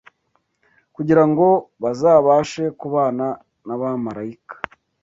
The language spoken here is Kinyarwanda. kugira ngo bazabashe kubana n’abamarayika